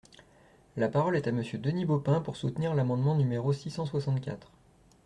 La parole est à Monsieur Denis Baupin, pour soutenir l’amendement numéro six cent soixante-quatre.